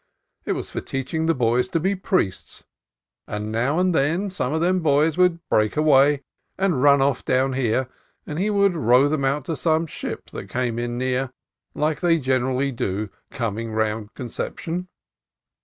It was for teach ing the boys to be priests, and now and then some of them boys would break away, and run off down here, and he would row them out to some ship that came near in, like they generally do coming round Con ception.